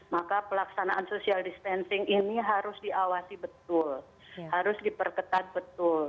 maka pelaksanaan social distancing ini harus diawasi betul harus diperketat betul